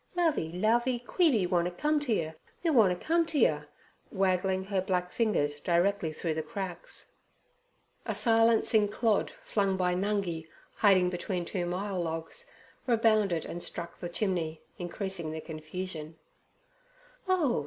'Lovey, Lovey, Queeby wanter come ter yer. Me wanter come ter yer,' waggling her black fingers directingly through the cracks. A silencing clod flung by Nungi hiding between two myall logs, rebounded and struck the chimney, increasing the confusion. 'Oh!'